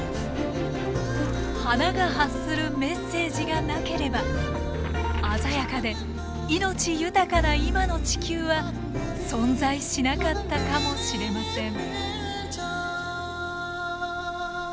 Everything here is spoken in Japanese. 花が発するメッセージがなければ鮮やかで命豊かな今の地球は存在しなかったかもしれません。